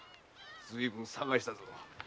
ずいぶん探したぞ。